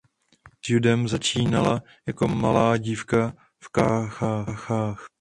S judem začínala jako malá dívka v Cáchách.